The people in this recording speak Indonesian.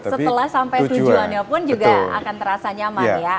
setelah sampai tujuannya pun juga akan terasa nyaman ya